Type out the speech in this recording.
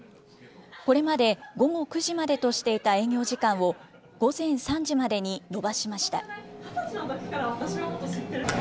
これまで午後９時までとしていた営業時間を、午前３時までに延ばしました。